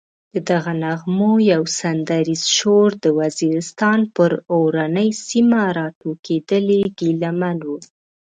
ددغو نغمو یو سندریز شور د وزیرستان پر اورنۍ سیمه راټوکېدلی ګیله من و.